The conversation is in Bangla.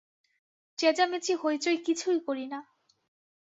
চেঁচামেচি হৈচৈ কিছুই করি না।